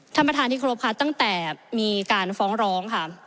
ท่านประธานที่ครบค่ะตั้งแต่มีการฟ้องร้องค่ะ